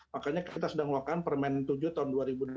makanya kita sudah mengeluarkan permen tujuh tahun dua ribu dua puluh